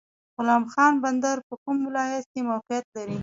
غلام خان بندر په کوم ولایت کې موقعیت لري؟